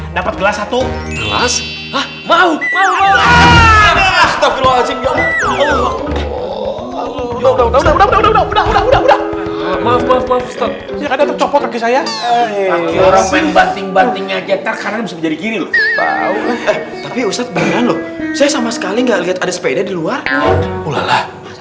udahudahudahudahudahudah maaf riset tercopot lagi saya